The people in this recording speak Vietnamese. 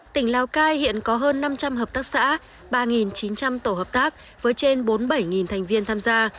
tỉnh lào cai hiện có hơn năm trăm linh hợp tác xã ba chín trăm linh tổ hợp tác với trên bốn mươi bảy thành viên tham gia